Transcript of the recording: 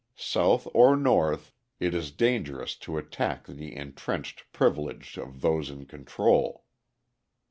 South or North, it is dangerous to attack the entrenched privilege of those in control.